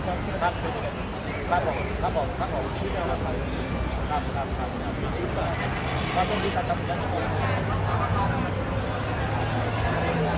ขอบคุณครับขอบคุณครับให้๔๖นะมากผมคิดว่ามากพอผมควร